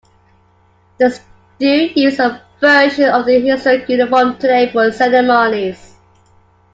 They still use a version of the historic uniform today for ceremonies.